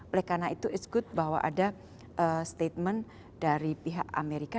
oleh karena itu it's good bahwa ada statement dari pihak amerika